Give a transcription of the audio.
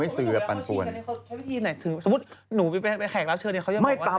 เพราะว่าตอนนี้ก็ไม่มีใครไปข่มครูฆ่า